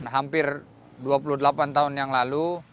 hampir dua puluh delapan tahun yang lalu